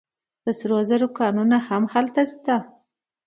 د سرو زرو کانونه هم هلته شته.